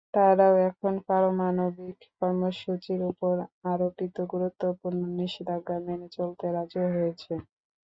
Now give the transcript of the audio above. তারাও এখন পারমাণবিক কর্মসূচির ওপর আরোপিত গুরুত্বপূর্ণ নিষেধাজ্ঞা মেনে চলতে রাজি হয়েছে।